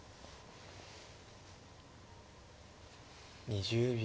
２０秒。